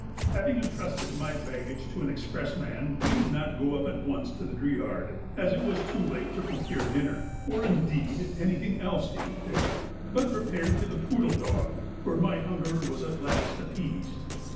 Having entrusted my baggage to an express man, we did not go up at once to the Driard, as it was too late to procure dinner, or indeed anything else to eat there, but repaired to the Poodle Dog, where my hunger was at last appeased.